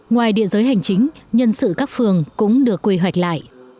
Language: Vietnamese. ngoài địa giới hành chính nhân sự các phường cũng được quy hoạch lại